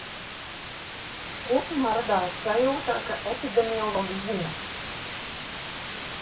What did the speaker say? Kopumā radās sajūta, ka epidemiologi zina.